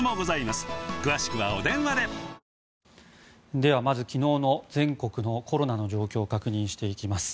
ではまず昨日の全国のコロナの状況を確認していきます。